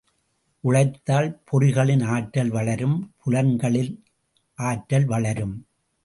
உழைத்தால் பொறிகளின் ஆற்றல் வளரும் புலன்களின் ஆற்றல் வளரும்.